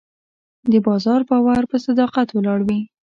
د بازار باور په صداقت ولاړ وي.